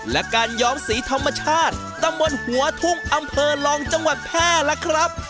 และการย้อมสีธรรมชาติตำบลหัวทุ่งอำเภอลองจังหวัดแพร่ล่ะครับ